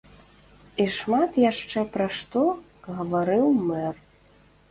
І шмат яшчэ пра што гаварыў мэр.